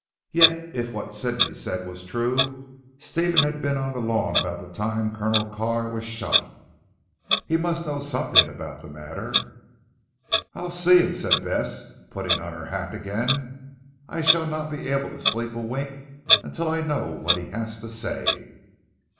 Yet if what Sidney said was true, Stephen had been on the lawn about the time Colonel Carr was shot. He must know something about the matter. "I'll see him," said Bess putting on her hat again. "I shall not be able to sleep a wink until I know what he has to say."